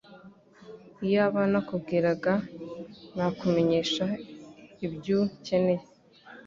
Iyaba nakubwiraga nakumenyesha ibyu keneye